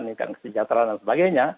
meningkatkan kesejahteraan dan sebagainya